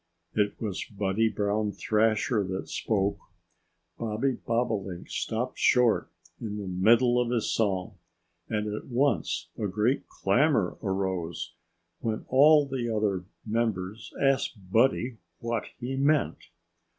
It was Buddy Brown Thrasher that spoke. Bobby Bobolink stopped short in the middle of his song. And at once a great clamor arose, when all the other members asked Buddy what he meant.